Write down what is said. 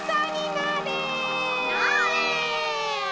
なれ！